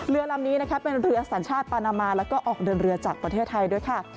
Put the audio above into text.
เรือลำนี้นะคะเป็นเรือสัญชาติปานามาแล้วก็ออกเดินเรือจากประเทศไทยด้วยค่ะ